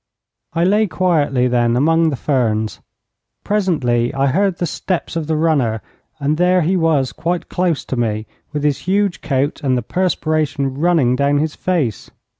I lay quietly then among the ferns. Presently I heard the steps of the runner, and there he was quite close to me, with his huge coat, and the perspiration running down his face.